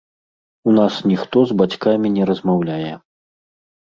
У нас ніхто з бацькамі не размаўляе.